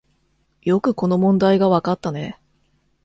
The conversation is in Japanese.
よくこの問題がわかったね